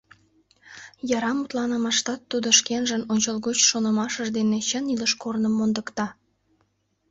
Яра мутланымаштат тудо шкенжын ончылгоч шонымашыж дене чын илыш корным мондыкта.